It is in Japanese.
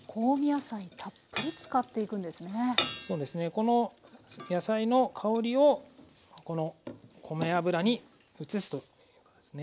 この野菜の香りをこの米油に移すということですね。